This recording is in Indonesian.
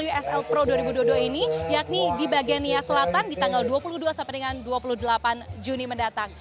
di wsl pro dua ribu dua puluh dua ini yakni di bagian nia selatan di tanggal dua puluh dua sampai dengan dua puluh delapan juni mendatang